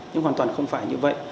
nhưng hoàn toàn không phải như vậy